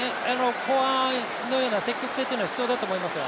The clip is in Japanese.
後半のような積極性は必要だと思いますよ。